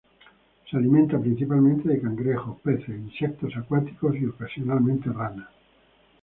Se alimenta principalmente de cangrejos, peces, insectos acuáticos y ocasionalmente ranas.